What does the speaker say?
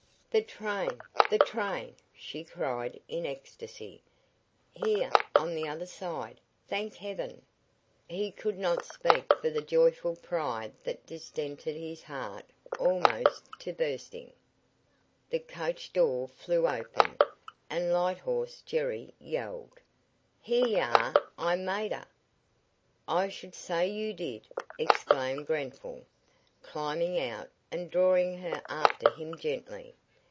"The train! the train!" she cried, in ecstacy. "Here, on the other side. Thank heaven!" He could not speak for the joyful pride that distended his heart almost to bursting. The coach door flew open, and Light horse Jerry yelled: "Here y'are! I made her!" "I should say you did!" exclaimed Grenfall, climbing out and drawing her after him gently.